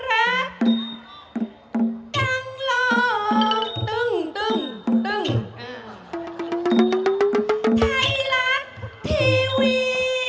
ไทยรัฐทีวี